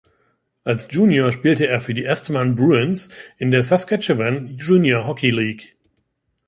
Als Junior spielte er für die Estevan Bruins in der Saskatchewan Junior Hockey League.